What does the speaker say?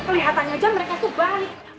kelihatannya aja mereka tuh baik